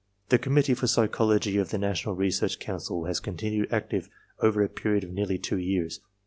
The Committee for Psychology of the National Research Council has continued active over a period of nearly two years.